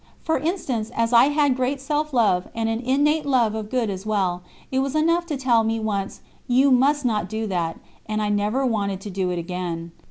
For instance, as I had great self love and an innate love of good as well, it was enough to tell me once: "You must not do that," and I never wanted to do it again.